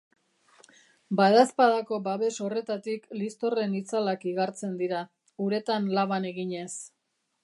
Badaezpadako babes horretatik liztorren itzalak igartzen dira, uretan laban eginez.